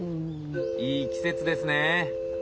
いい季節ですね。